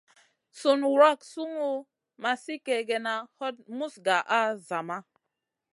Sùn wrak sungu ma sli kègèna, hot muz gaʼa a zama.